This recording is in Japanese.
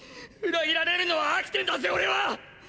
裏切られるのは飽きてんだぜ俺は！！